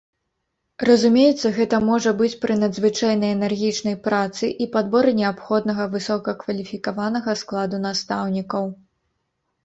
Разумеецца, гэта можа быць пры надзвычайна энергічнай працы і падборы неабходнага высокакваліфікаванага складу настаўнікаў.